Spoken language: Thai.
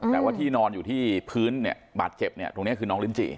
แต่ว่าที่นอนอยู่ที่พื้นเนี่ยบาดเจ็บเนี่ยตรงนี้คือน้องลิ้นจี่